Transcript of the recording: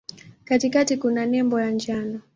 Katikati kuna nembo ya njano.